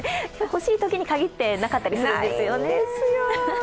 欲しいときにかぎってなかったりするんですよね。